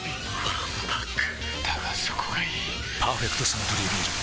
わんぱくだがそこがいい「パーフェクトサントリービール糖質ゼロ」